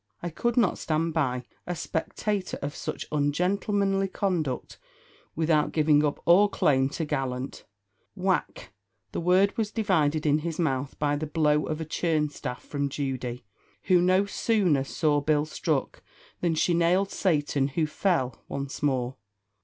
I could not stand by, a spectator of such ungentlemanly conduct without giving up all claim to gallant " Whack! the word was divided in his mouth by the blow of a churn staff from Judy, who no sooner saw Bill struck, than she nailed Satan, who "fell" once more.